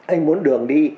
anh muốn đường đi